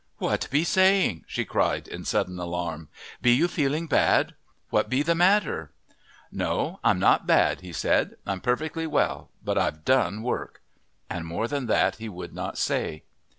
"What be saying?" she cried in sudden alarm. "Be you feeling bad what be the matter?" "No, I'm not bad," he said. "I'm perfectly well, but I've done work;" and more than that he would not say.